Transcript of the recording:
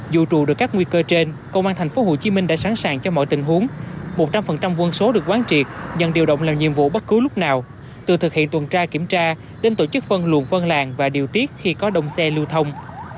dù trù được các nguy cơ trên công an tp hcm đã sẵn sàng cho mọi tình huống một trăm linh quân số được quán triệt nhận điều động làm nhiệm vụ bất cứ lúc nào từ thực hiện tuần tra kiểm tra đến tổ chức phân luồn phân làng và điều tiết khi có đông xe lưu thông